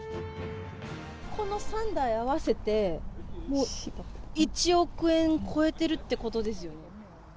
この３台合わせて、もう１億円超えてるってことですよね。